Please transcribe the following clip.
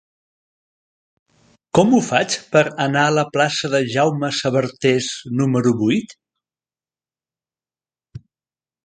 Com ho faig per anar a la plaça de Jaume Sabartés número vuit?